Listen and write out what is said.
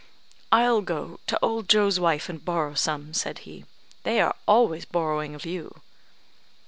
"I'll go to old Joe's wife and borrow some," said he; "they are always borrowing of you."